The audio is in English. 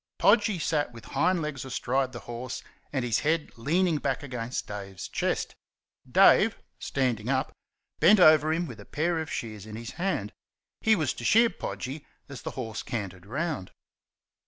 Podgy sat with hind legs astride the horse and his head leaning back against Dave's chest. Dave (standing up) bent over him with a pair of shears in his hand. He was to shear Podgy as the horse cantered round.